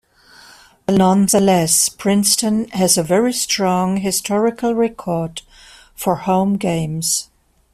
Nonetheless, Princeton has a very strong historical record for home games.